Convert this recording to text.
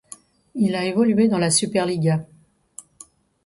Il a évolué dans la Superliga.